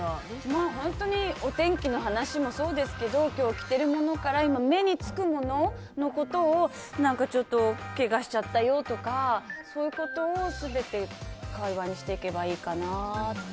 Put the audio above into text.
お天気の話もそうですけど今日着てるものから今、目につくもののことをけがしちゃったよとかそういうことを全て会話にしていけばいいかなって。